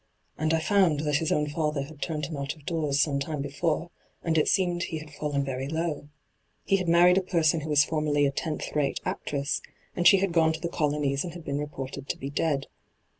' And I found that his own father had turned him out of doors some time before, and it seemed he hiMi &llen very low. He had married a person who was formerly a tenth rate actress, and she had gone to the colonies and had been reported to be dead.